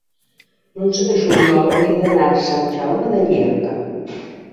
l'onze de juliol hauria d'anar a Sant Jaume de Llierca.